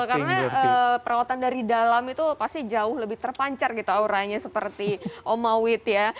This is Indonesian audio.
karena perawatan dari dalam itu pasti jauh lebih terpancar gitu auranya seperti oma wit ya